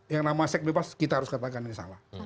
yang nama sekbebas kita harus katakan ini salah